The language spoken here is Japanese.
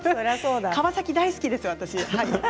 川崎大好きです、私。